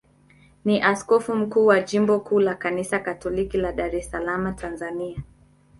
ni askofu mkuu wa jimbo kuu la Kanisa Katoliki la Dar es Salaam, Tanzania.